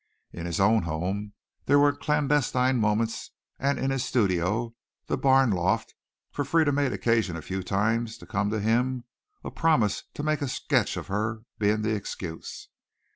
In his own home there were clandestine moments and in his studio, the barn loft, for Frieda made occasion a few times to come to him a promise to make a sketch of her being the excuse.